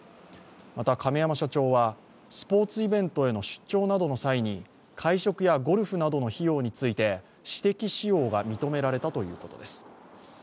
また亀山社長はスポーツイベントへの出張などの際に会食やゴルフなどの費用について私的使用が認められたということです。